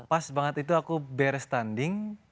pas banget itu aku beres tanding